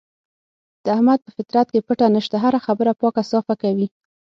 د احمد په فطرت کې پټه نشته، هره خبره پاکه صافه کوي.